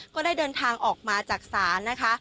ก็ได้เดินทางออกมาจากศาลนะคะ